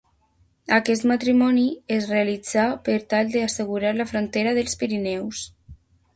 Aquest matrimoni es realitzà per tal d'assegurar la frontera dels Pirineus.